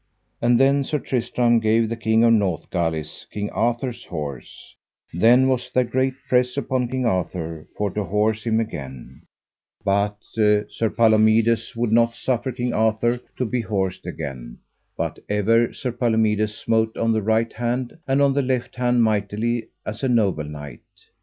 And then Sir Tristram gave the King of Northgalis King Arthur's horse: then was there great press about King Arthur for to horse him again; but Sir Palomides would not suffer King Arthur to be horsed again, but ever Sir Palomides smote on the right hand and on the left hand mightily as a noble knight.